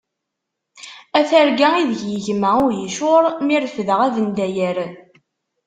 A targa i deg yegma uhicur! Mi refdeɣ abendayer.